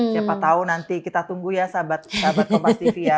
siapa tau nanti kita tunggu ya sahabat kompas tv ya